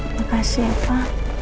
makasih ya pa